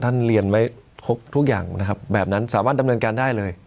เรียนไว้ทุกอย่างนะครับแบบนั้นสามารถดำเนินการได้เลย